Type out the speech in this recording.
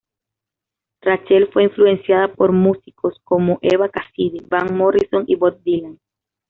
Rachel fue influenciada por músicos como Eva Cassidy, Van Morrison y Bob Dylan.